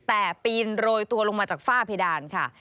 แต่ปีนโรยตัวลงมาจากฝ้าเพดานค่ะ